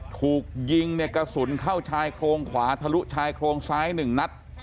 ถูกยิงเนี่ยกระสุนเข้าชายโครงขวาทะลุชายโครงซ้าย๑นัด